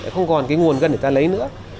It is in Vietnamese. không còn cái nguồn gân để ta lấy nữa